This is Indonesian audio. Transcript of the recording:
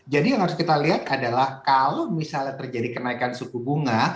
jadi yang harus kita lihat adalah kalau misalnya terjadi kenaikan suku bunga